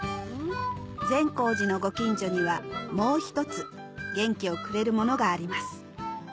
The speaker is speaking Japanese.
善光寺のご近所にはもう一つ元気をくれるものがあります